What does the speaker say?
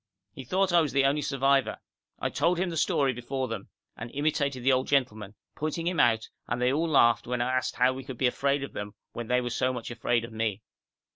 He thought I was the only survivor. I told him the story before them, and imitated the old gentleman, pointing him out, and they all laughed when I asked how we could be afraid of them when they were so much afraid of me.